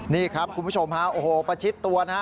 นี่ครับคุณผู้ชมฮะโอ้โหประชิดตัวนะฮะ